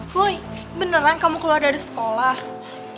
boy beneran kamu keluar dari sekolah